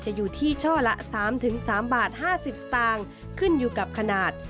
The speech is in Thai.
อยู่ที่ช่อละ๓๓บาท๕๐สตางค์ขึ้นอยู่กับขนาด